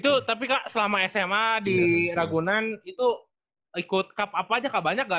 itu tapi kak selama sma di ragunan itu ikut cup apa aja gak banyak gak